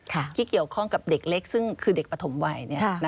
ที่เกี่ยวข้องกับเด็กเล็กซึ่งคือเด็กปฐมวัย